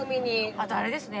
あとあれですね。